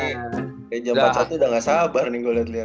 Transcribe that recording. kayaknya jam empat puluh satu udah gak sabar nih gue liat liat